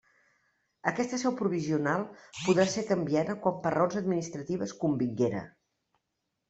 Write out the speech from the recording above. Aquesta seu provisional podrà ser canviada quan per raons administratives convinguera.